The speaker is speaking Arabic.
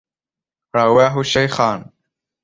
رواه الشيخان.